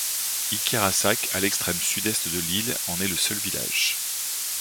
Ikerasak à l'extrême sud-est de l'île en est le seul village.